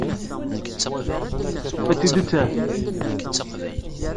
Ad tt-id-taf.